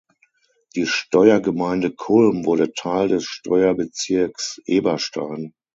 Die Steuergemeinde Kulm wurde Teil des Steuerbezirks Eberstein.